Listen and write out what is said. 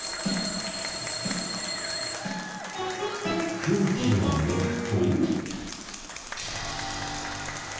くうきをぬくと。